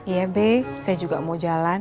iya be saya juga mau jalan